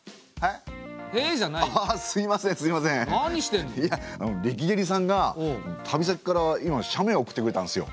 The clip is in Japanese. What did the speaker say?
いやレキデリさんが旅先から今写メ送ってくれたんですよ。